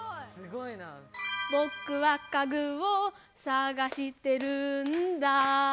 「ぼくはかぐをさがしてるんだ」